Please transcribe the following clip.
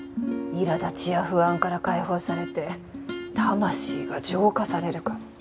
いら立ちや不安から解放されて魂が浄化されるから。